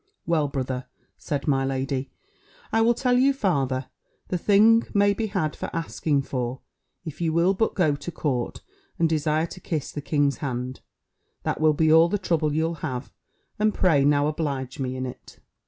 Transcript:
"Well, brother," said my lady, "I will tell you farther, the thing may be had for asking for; if you will but go to court, and desire to kiss the king's hand, that will be all the trouble you'll have: and pray now oblige me in it."